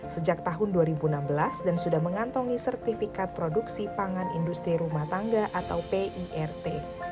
sejak tahun dua ribu enam belas dan sudah mengantongi sertifikat produksi pangan industri rumah tangga atau pirt